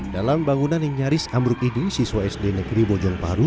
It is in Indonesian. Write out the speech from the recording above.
dalam bangunan yang nyaris ambruk ini siswa sd negeri bojong paru